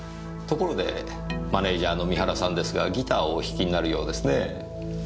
ところでマネージャーの三原さんですがギターをお弾きになるようですねぇ。